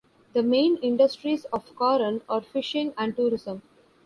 The main industries of Coron are fishing and tourism.